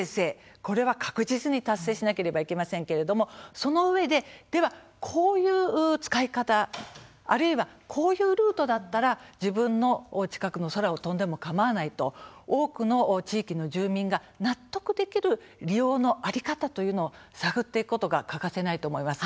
これは確実に達成しなければいけませんから、そのうえでこういう使い方あるいはこういうルートだったら自分の近くの空を飛んでもかまわないと多くの地域の住民が納得できる利用の在り方というのを探っていくことが欠かせないと思います。